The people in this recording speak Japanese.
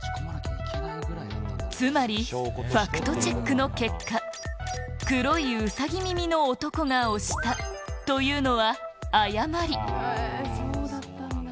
つまり、ファクトチェックの結果、黒いウサギ耳の男が押したというのは誤り。